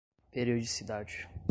periodicidade